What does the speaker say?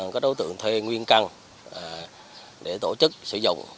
các đối tượng thuê nguyên căn để tổ chức sử dụng